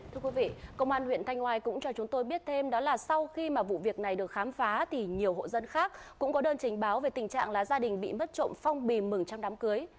thưa quý vị công an huyện thanh ngoài cũng cho chúng tôi biết thêm đó là sau khi mà vụ việc này được khám phá thì nhiều hộ dân khác cũng có đơn trình báo về tình trạng là gia đình bị mất trộm phong bì mừng trong đám cưới